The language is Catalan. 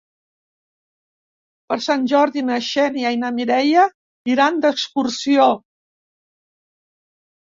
Per Sant Jordi na Xènia i na Mireia iran d'excursió.